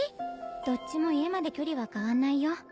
どっちも家まで距離は変わんないよ。